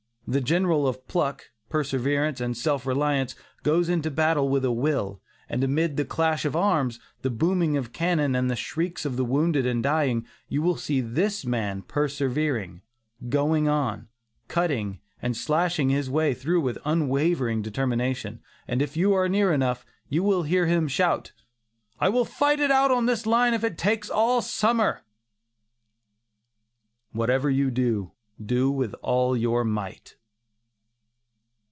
The General of pluck, perseverance and self reliance goes into battle with a will, and amid the clash of arms, the booming of cannon, and the shrieks of the wounded and dying, you will see this man persevering, going on, cutting and slashing his way through with unwavering determination, and if you are near enough, you will hear him shout, "I will fight it out on this line if it takes all summer." WHATEVER YOU DO, DO WITH ALL YOUR MIGHT.